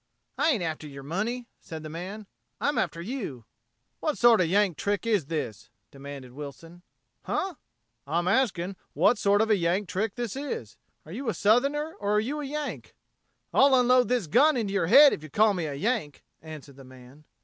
"I ain't after yer money," said the man. "I'm after you." "What sort of a Yank trick is this!" demanded Wilson. "Huh?" "I'm asking what sort of a Yank trick this is? Are you a Southerner or are you a Yank?" "I'll unload this gun into your head if you call me a Yank," answered the man.